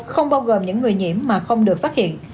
không bao gồm những người nhiễm mà không được phát hiện